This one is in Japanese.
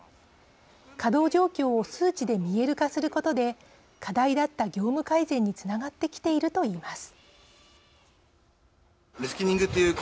稼働状況を数値で見える化することで課題だった業務改善につながってきていると言います。